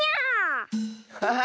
ハハハ！